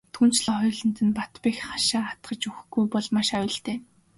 Түүнчлэн хоёуланд нь бат бэх хашаа хатгаж өгөхгүй бол маш аюултай.